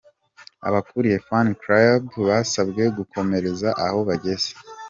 Abakuriye "Fan Clubs" basabwe gukomereza aho bageze.